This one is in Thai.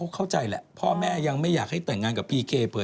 เข้าใจแหละพ่อแม่ยังไม่อยากให้แต่งงานกับพีเคเผลอ